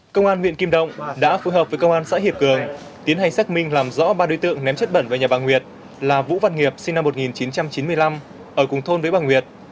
công an huyện kim động đã phù hợp với công an xã hiệp cường tiến hành xác minh làm rõ ba đối tượng ném chất bẩn vào nhà bà nguyệt là vũ văn hiệp sinh năm một nghìn chín trăm chín mươi năm ở cùng thôn với bàng nguyệt